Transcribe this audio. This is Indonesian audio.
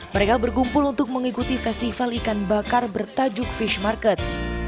mereka berkumpul untuk mengikuti festival ikan bakar bertajuk fish market